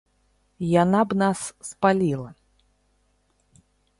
Яна б нас спаліла.